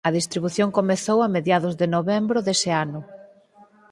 A distribución comezou a mediados de novembro dese ano.